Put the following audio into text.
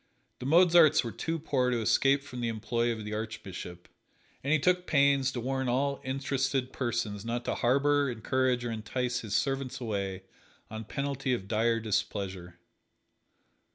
The Mozarts were too poor to escape from the employ of the Archbishop, and he took pains to warn all interested persons not to harbor, encourage or entice his servants away on penalty of dire displeasure.